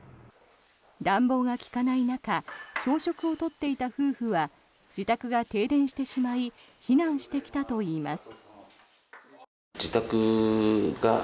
暖房が利かない中朝食を取っていた夫婦は自宅が停電してしまい避難してきたといいます。